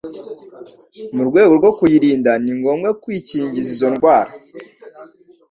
Mu rwego rwo kuyirinda ni ngombwa kwikingiza izo ndwara